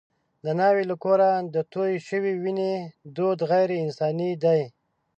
د ناوې له کوره د تویې شوې وینې دود غیر انساني دی.